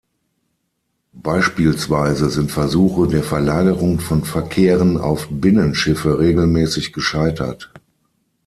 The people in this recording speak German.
Beispielsweise sind Versuche der Verlagerung von Verkehren auf Binnenschiffe regelmäßig gescheitert.